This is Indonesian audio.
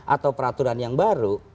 atau peraturan yang baru